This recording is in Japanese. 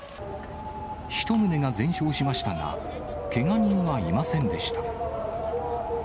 １棟が全焼しましたが、けが人はいませんでした。